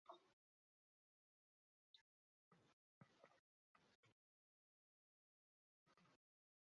涅雷大道车站列车服务。